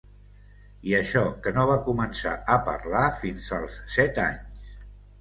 I això que no va començar a parlar fins als set anys.